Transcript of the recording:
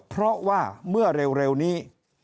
เพราะว่าเมื่อเร็วนี้